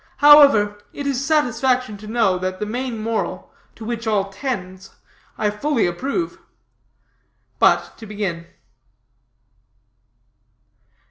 However, it is satisfaction to know that the main moral, to which all tends, I fully approve. But, to begin."